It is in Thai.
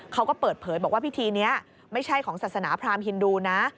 เขาก็เปิดเผยบอกว่าพิธีนี้ไม่ใช่ของศาสนาพรามฮินดูนะ